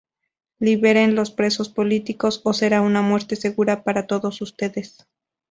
Liberen los presos políticos o será una muerte segura para todos ustedes.